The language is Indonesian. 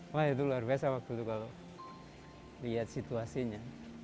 wah itu luar biasa waktu itu kalau lihat situasinya